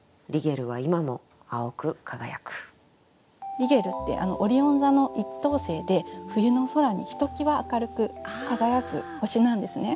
リゲルってオリオン座の１等星で冬の空にひときわ明るく輝く星なんですね。